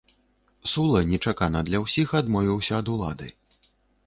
Сула нечакана для ўсіх адмовіўся ад улады.